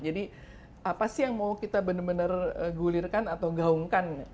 jadi apa sih yang mau kita benar benar gulirkan atau gaungkan